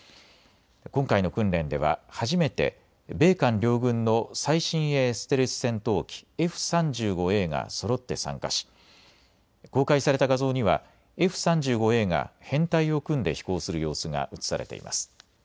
今回の訓練では初めて米韓両軍の最新鋭ステルス戦闘機Ｆ３５Ａがそろって参加し公開された画像にはＦ３５Ａが編隊を組んで飛行する様子が写されています。